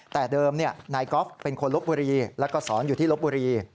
แต่เดิมนายกอล์ฟเป็นคนลบบุรีแล้วก็สอนอยู่ที่ลบบุรี